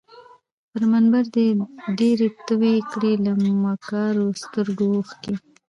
پر منبر دي ډیري توی کړې له مکارو سترګو اوښکي